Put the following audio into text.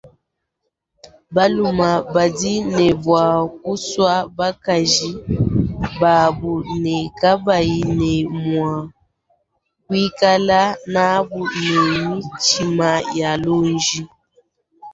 Balume badi ne bua kusua bakaji babu ne kabayi ne mua kuikala nabu ne mitshima ya lonji.